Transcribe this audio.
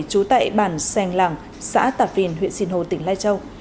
trú tại bản seng làng xã tạp vìn huyện sinh hồ tỉnh lai châu